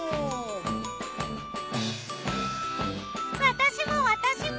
私も私も。